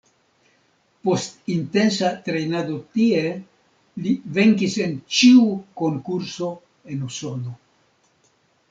Post intensa trejnado tie, li venkis en ĉiu konkurso en Usono.